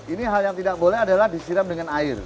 ini hal yang tidak boleh adalah disiram dengan air